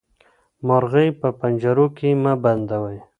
مرغۍ په پنجرو کې مه بندوئ.